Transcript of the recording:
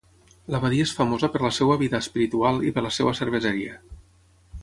L'abadia és famosa per la seva vida espiritual i per la seva cerveseria.